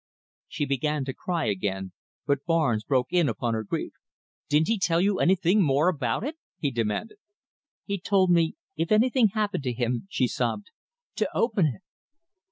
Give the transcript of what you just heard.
She began to cry again, but Barnes broke in upon her grief. "Didn't he tell you anything more about it?" he demanded. "He told me if anything happened to him," she sobbed, "to open it."